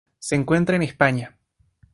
Se encuentra en España.